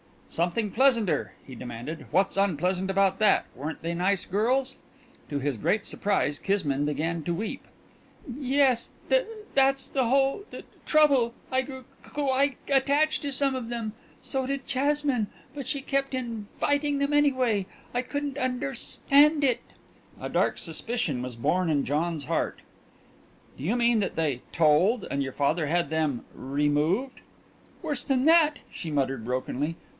"Something pleasanter!" he demanded. "What's unpleasant about that? Weren't they nice girls?" To his great surprise Kismine began to weep. "Yes th that's the the whole t trouble. I grew qu quite attached to some of them. So did Jasmine, but she kept inv viting them anyway. I couldn't under_stand_ it." A dark suspicion was born in John's heart. "Do you mean that they told, and your father had them removed?" "Worse than that," she muttered brokenly.